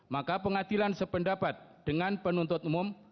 maka pengadilan sependapat dengan penuntut umum